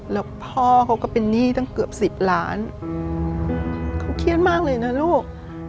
แล้วพ่อเขาก็เป็นหนี้ตั้งเกือบ๑๐ล้านเขาเครียดมากเลยนะลูก